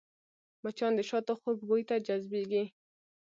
مچان د شاتو خوږ بوی ته جذبېږي